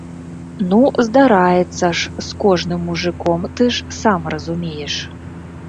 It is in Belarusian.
Ну, здараецца ж з кожным мужыком, ты ж сам разумееш.